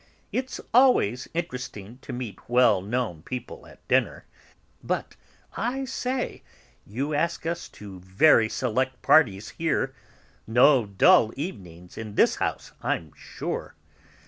"It's always interesting to meet well known people at dinner. But, I say, you ask us to very select parties here. No dull evenings in this house, I'm sure."